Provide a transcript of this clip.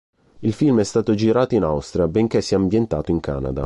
Il film è stato girato in Austria, benché sia ambientato in Canada.